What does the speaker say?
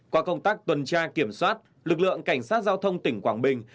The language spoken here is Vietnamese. qua công tác tuần tra kiểm soát lực lượng cảnh sát giao thông tỉnh quảng bình